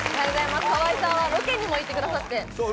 河合さん、ロケにも行ってくださって。